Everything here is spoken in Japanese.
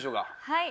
はい。